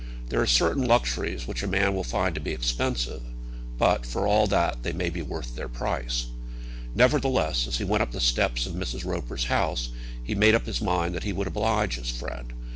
There are certain luxuries which a man will find to be expensive; but, for all that, they may be worth their price. Nevertheless as he went up the steps of Mrs. Roper's house he made up his mind that he would oblige his friend.